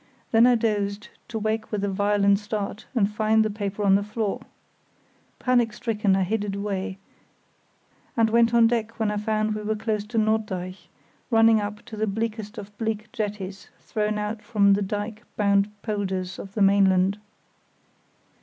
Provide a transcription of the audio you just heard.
Then I dozed, to wake with a violent start and find the paper on the floor. Panic stricken, I hid it away, and went on deck, when I found we were close to Norddeich, running up to the bleakest of bleak jetties thrown out from the dyke bound polders of the mainland.